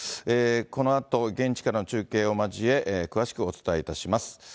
このあと現地からの中継を交え、詳しくお伝えいたします。